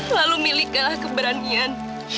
lalu milikkanlah keberanian